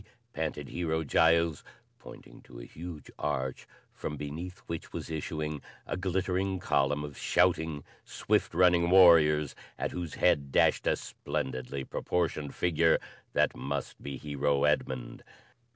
panted Hero Giles pointing to a huge arch from beneath which was issuing a glittering column of shouting, swift running warriors at whose head dashed a splendidly proportioned figure that must be Hero Edmund.